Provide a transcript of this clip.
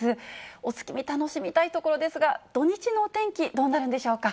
お月見楽しみたいところですが、土日のお天気、どうなるんでしょうか。